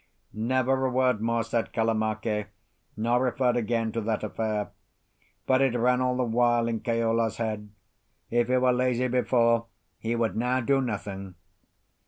Never a word more said Kalamake, nor referred again to that affair. But it ran all the while in Keola's head—if he were lazy before, he would now do nothing.